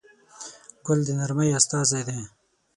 ګل د نرمۍ استازی دی.